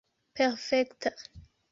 perfekta